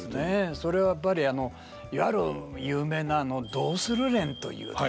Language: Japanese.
それはやっぱりいわゆる有名な「どうする連」というですね